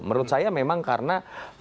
menurut saya memang karena